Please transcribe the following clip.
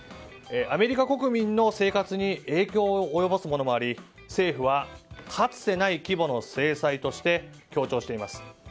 アメリカ国民の生活に影響を及ぼすものもあり政府はかつてない規模の制裁として強調しています。